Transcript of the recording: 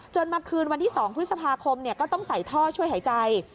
มาคืนวันที่๒พฤษภาคมก็ต้องใส่ท่อช่วยหายใจ